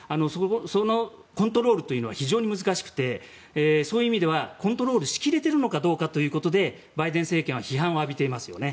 そのコントロールというのは非常に難しくてそういう意味ではコントロールしきれているのかということでバイデン政権は批判を浴びていますよね。